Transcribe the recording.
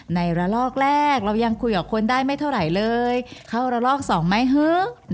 ในระลอกแรกเรายังคุยกับคนได้ไม่เท่าไหร่เลยเข้าระลอกสองไหมฮึ